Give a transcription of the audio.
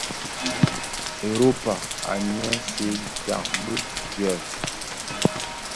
Europa a ňyisè tsag bi duel.